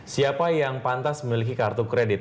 siapa yang pantas memiliki kartu kredit